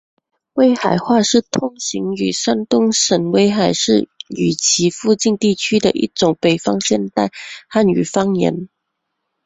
威海话是通行于山东省威海市及其附近地区的一种北方现代汉语方言。